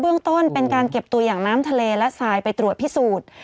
เรื่องต้นเป็นการเก็บตัวอย่างน้ำทะเลและทรายไปตรวจพิสูจน์